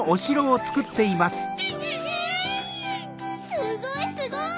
すごいすごい！